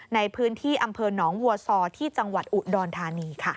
ในพื้นที่อำเภอหนองวัวซอที่จังหวัดอุดรธานีค่ะ